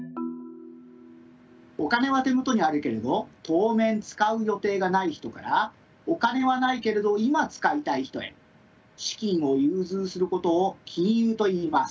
お金は手元にあるけれど当面使う予定がない人からお金はないけれど今使いたい人へ資金を融通することを金融といいます。